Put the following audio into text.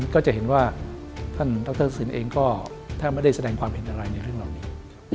ก็จะเห็นว่าท่านดรสินเองก็ถ้าไม่ได้แสดงความเห็นอะไรในเรื่องเหล่านี้